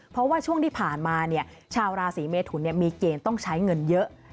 เพราะว่าช่วงที่ผ่านมาชาวราศีเมทุนมีเกณฑ์ต้องใช้เงินเยอะ